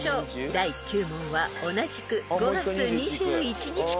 ［第９問は同じく５月２１日から出題］